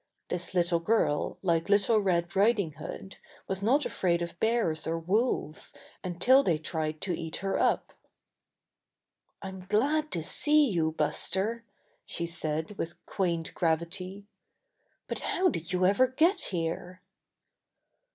This little girl like Little Red Riding Hood was not afraid of bears or wolves until they tried to eat her up. 'T'm glad to see you, Buster," she said with quaint gravity. "But how did you ever get here?"